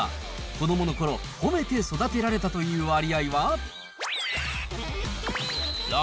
子どものころ、褒めて育てられたという割合は、６９％。